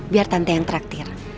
biar tante yang traktir